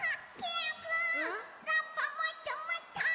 ラッパもっともっと！